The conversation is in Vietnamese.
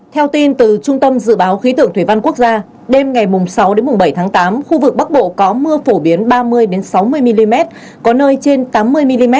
theo tin từ trung tâm dự báo khí tượng thủy văn quốc gia đêm ngày sáu bảy tháng tám khu vực bắc bộ có mưa phổ biến ba mươi sáu mươi mm có nơi trên tám mươi mm